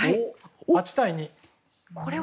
８対２。